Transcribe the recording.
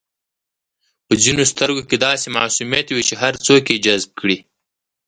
په ځینو سترګو کې داسې معصومیت وي چې هر څوک یې جذب کړي.